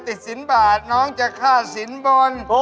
พี่น้องจะฆ่าสินบล